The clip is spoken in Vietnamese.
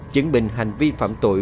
chứng minh hành vi phạm tội